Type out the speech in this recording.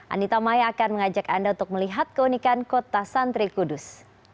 anita maya akan mengajak anda untuk melihat keunikan kota santri kudus